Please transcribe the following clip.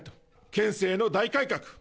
県政の大改革。